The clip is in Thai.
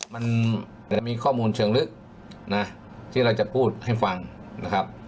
มันแต่มีข้อมูลเชิงลึกนะที่เราจะพูดให้ฟังนะครับ